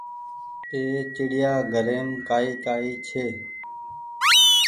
اي چڙيآ گهريم ڪآئي ڪآئي ڇي۔